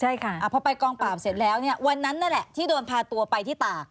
ใช่ค่ะพอไปกองปราบเสร็จแล้วเนี่ยวันนั้นนั่นแหละที่โดนพาตัวไปที่ตาก